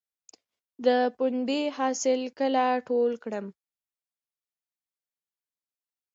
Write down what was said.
د پنبې حاصل کله ټول کړم؟